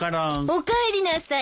おかえりなさい。